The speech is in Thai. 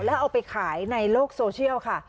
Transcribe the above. แล้วเอาไปขายในโลกโซเชียลค่ะ